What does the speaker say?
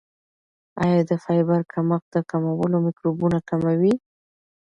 آیا د فایبر کمښت د کولمو میکروبونه کموي؟